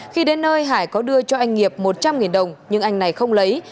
khi đến nơi hải có đưa cho anh nghiệp một trăm linh đồng nhưng anh này không lấy